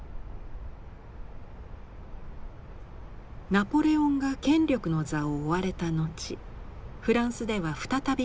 ナポレオンが権力の座を追われた後フランスでは再び国王が即位。